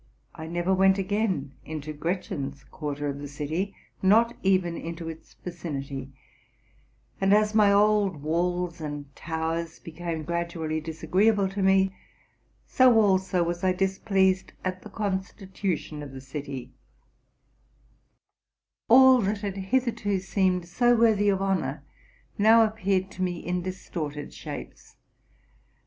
I never went again into Gretchen's quarter of the city, not even into its vicinity: and as my old walls and towers became grad ually disagreeable to me, so also was I displeased at the constitution of the city ; all that hitherto seemed so worthy of honor now appeared to me in distorted shapes.